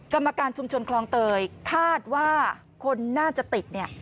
กรรมการชุมชนคลองเตยคาดว่าคนน่าจะติดเนี่ย